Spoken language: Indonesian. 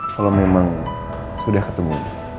kalau memang sudah ketemu